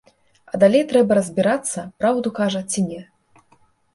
А далей трэба разбірацца, праўду кажа ці не.